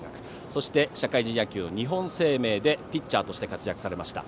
そして、社会人野球日本生命でピッチャーとして活躍されました。